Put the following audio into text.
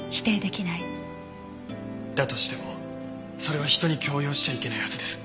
だとしてもそれは人に強要しちゃいけないはずです。